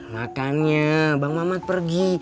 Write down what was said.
makanya bang mamat pergi